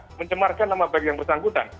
dan mengecemarkan nama bagi yang bersangkutan